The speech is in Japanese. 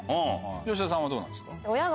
吉田さんはどうなんですか？